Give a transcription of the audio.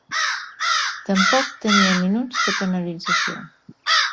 Tampoc tenia minuts de penalització.